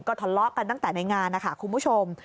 ทะเลาะกันตั้งแต่ในงานนะคะคุณผู้ชม